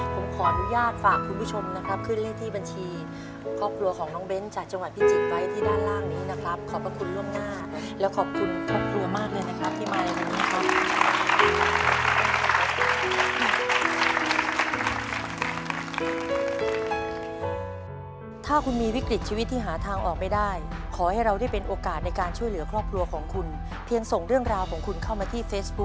ผมขออนุญาตฝากคุณผู้ชมนะครับขึ้นเลขที่บัญชีครอบครัวของน้องเบ้นจากจังหวัดพิจิตรไว้ที่ด้านล่างนี้นะครับขอบพระคุณล่วงหน้าและขอบคุณครอบครัวมากเลยนะครับที่มาในวันนี้ครับ